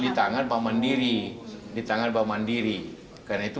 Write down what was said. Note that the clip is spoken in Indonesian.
dia bahkan mengamankan persatu